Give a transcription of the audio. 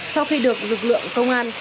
sau khi được lực lượng công an